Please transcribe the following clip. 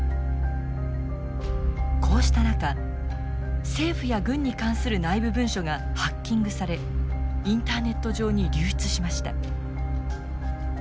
こうした中政府や軍に関する内部文書がハッキングされインターネット上に流出しました。